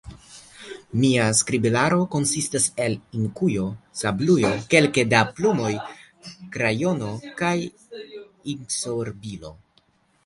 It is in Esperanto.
Mia skribilaro konsistas el inkujo, sablujo, kelke da plumoj, krajono kaj inksorbilo.